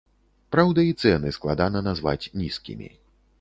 Праўда, і цэны складана назваць нізкімі.